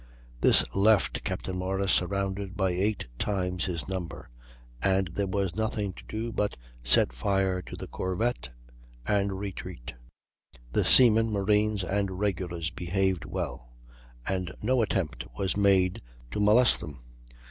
This left Captain Morris surrounded by eight times his number, and there was nothing to do but set fire to the corvette and retreat. The seamen, marines, and regulars behaved well, and no attempt was made to molest them.